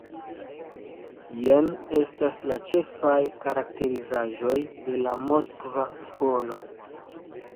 Jen estas la ĉefaj karakterizaĵoj de la Moskva skolo.